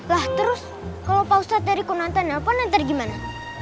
lah terus kalau pak ustad dari kunanta nelfon ntar gimana